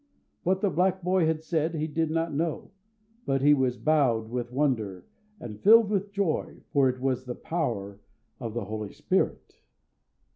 What the black boy had said he did not know; but he was bowed with wonder and filled with joy, for it was the power of the Holy Spirit.